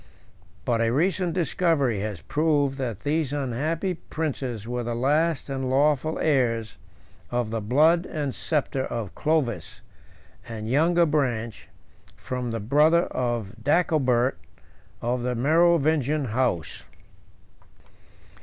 But a recent discovery 107 has proved that these unhappy princes were the last and lawful heirs of the blood and sceptre of Clovis, and younger branch, from the brother of Dagobert, of the Merovingian house.